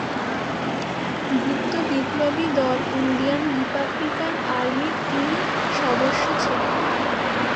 গুপ্ত বিপ্লবী দল Indian Republican আর্মির তিনি সদস্য ছিলেন।